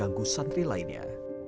dan pecandu narkoba